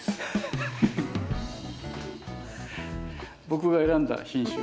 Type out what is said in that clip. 僕が選んだ品種。